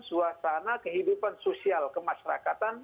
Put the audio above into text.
suasana kehidupan sosial kemasyarakatan